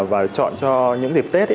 và chọn cho những dịp tết